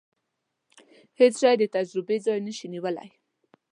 هیڅ شی د تجربې ځای نشي نیولای.